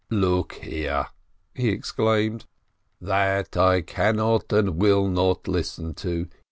"Look here," he exclaimed, "that I cannot and will not listen to!